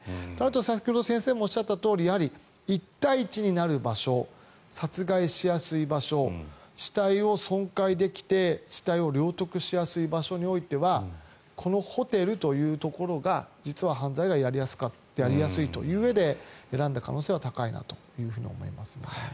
先ほど先生もおっしゃったように１対１になる場所殺害しやすい場所死体を損壊できて死体を領得しやすい場所においてはこのホテルというところが実は犯罪がやりやすいといううえで選んだ可能性は高いなと思いますね。